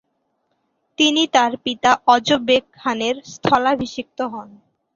তিনি তার পিতা অজ বেগ খানের স্থলাভিষিক্ত হন।